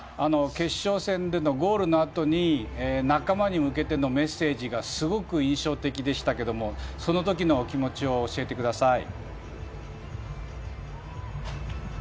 決勝戦でのゴールのあとに仲間に向けてのメッセージがすごく印象的でしたけどもその時のお気持ちを教えてください。